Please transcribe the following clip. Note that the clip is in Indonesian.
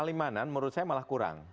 di mana menurut saya malah kurang